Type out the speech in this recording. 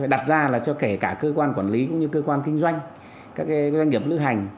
đặt ra là cho kể cả cơ quan quản lý cũng như cơ quan kinh doanh các doanh nghiệp lữ hành